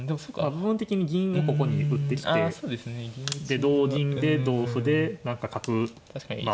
部分的に銀をここに打ってきてで同銀で同歩で何か角まあ